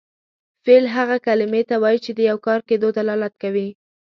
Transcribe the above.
فعل هغې کلمې ته وایي چې د یو کار کیدو دلالت کوي.